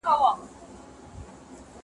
مهمه ده څوک درسره وي کله چې اړتیا لرې.